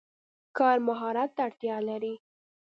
کار مهارت ته اړتیا لري.